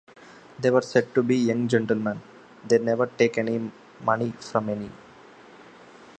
They are said to be young gentlemen; they never take any money from any.